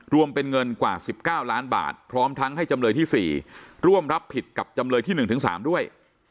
รวมเป็นเงินกว่า๑๙ล้านบาทพร้อมทั้งให้จำเลยที่๔ร่วมรับผิดกับจำเลยที่๑๓ด้วย